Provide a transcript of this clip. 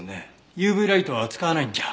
ＵＶライトは扱わないんじゃ。